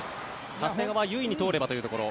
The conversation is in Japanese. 長谷川唯に通ればというところ。